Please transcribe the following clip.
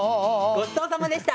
ごちそうさまでした。